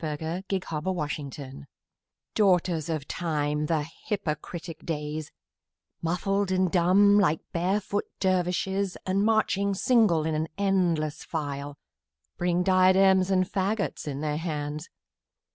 Ralph Waldo Emerson Days DAUGHTERS of Time, the hypocritic Days, Muffled and dumb like barefoot dervishes, And marching single in an endless file, Bring diadems and faggots in their hands.